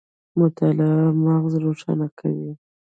مطالعه مغز روښانه کوي